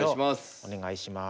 お願いします。